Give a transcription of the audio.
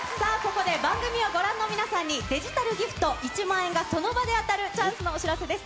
ここで、番組をご覧の皆さんに、デジタルギフト１万円がその場で当たるチャンスのお知らせです。